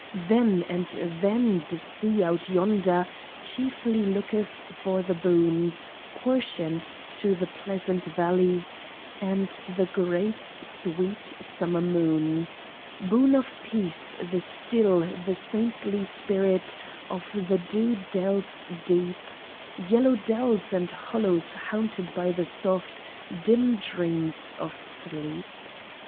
Then, and then, the sea out yonder chiefly looketh for the boon Portioned to the pleasant valleys and the grave sweet summer moon: Boon of Peace, the still, the saintly spirit of the dew dells deep Yellow dells and hollows haunted by the soft, dim dreams of sleep.